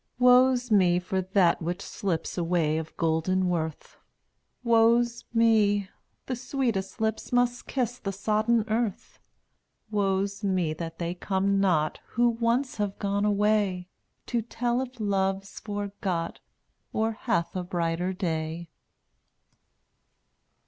0Utt<$ drSyHAt Woe's me for that which slips Away of golden worth; Woe's me! the sweetest lips Must kiss the sodden earth. Woe's me that they come not Who once have gone away. To tell if love's forgot Or hath a brighter day.